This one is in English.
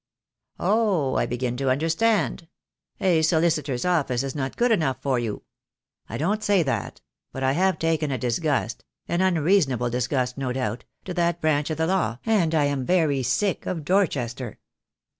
"Oh, I begin to understand. A solicitor's office is not good enough for you?" "I don't say that; but I have taken a disgust — an unreasonable disgust no doubt — to that branch of the law; and I am very sick of Dorchester."